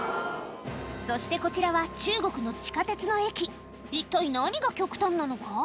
そしてこちらは中国の地下鉄の駅一体何が極端なのか？